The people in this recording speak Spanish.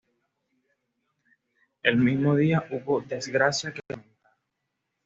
El mismo día hubo desgracia que lamentar.